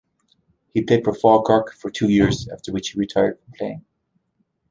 He played for Falkirk for two years, after which he retired from playing.